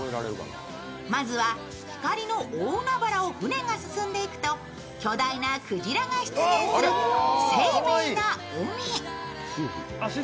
まずは光の大海原を船が進んでいくと巨大なくじらが出現する生命の海。